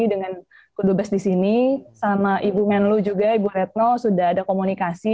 dengan kudubes di sini sama ibu menlu juga ibu retno sudah ada komunikasi